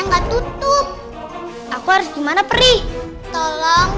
enggak tutup aku harus gimana prih tolong